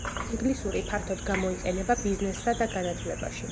ინგლისური ფართოდ გამოიყენება ბიზნესსა და განათლებაში.